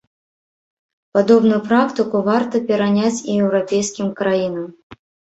Падобную практыку варта пераняць і еўрапейскім краінам.